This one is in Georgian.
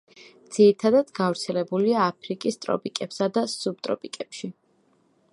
ძირითადად გავრცელებულია აფრიკის ტროპიკებსა და სუბტროპიკებში.